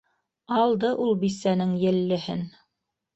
Алды ул бисәнең еллеһен!